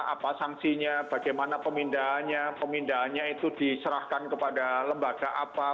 apa sanksinya bagaimana pemindahannya pemindahannya itu diserahkan kepada lembaga apa